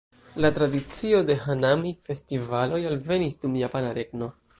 Tradicio de "hanami"-festivaloj alvenis dum japana regno.